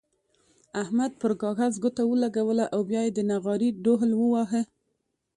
احمد پر کاغذ ګوته ولګوله او بيا يې د نغارې ډوهل وواهه.